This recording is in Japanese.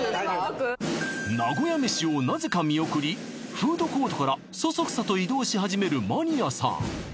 名古屋めしをなぜか見送りフードコートからそそくさと移動し始めるマニアさん